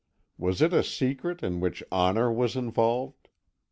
Was it a secret in which honour was involved?